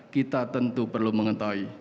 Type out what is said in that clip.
kita tentu perlu mengetahui